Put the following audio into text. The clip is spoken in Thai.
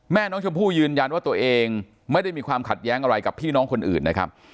แม่น้องชมพู่ยืนยันว่าตัวเองไม่ได้มีความขัดแย้งอะไรกับพี่น้องคนอื่นนะครับ